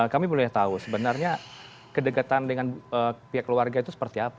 kami boleh tahu sebenarnya kedekatan dengan pihak keluarga itu seperti apa